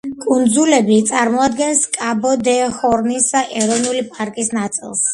კუნძულები წარმოადგენს კაბო-დე-ჰორნის ეროვნული პარკის ნაწილს.